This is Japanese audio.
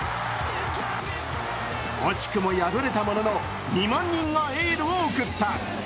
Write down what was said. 惜しくも敗れたものの、２万人がエールを送った。